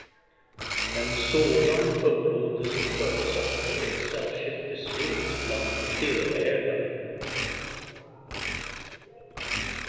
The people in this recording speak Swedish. En sådan upplåtelse förutsatte ett särskilt beslut bland delägarna.